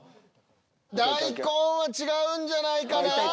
大根は違うんじゃないかな？